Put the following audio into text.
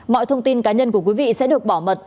mọi thông tin cá nhân của quý vị sẽ được bảo mật